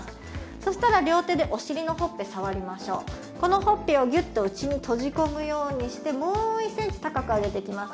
そしたら両手でお尻のほっぺ触りましょうこのほっぺをギュッと内にとじ込むようにしてもう１センチ高く上げていきます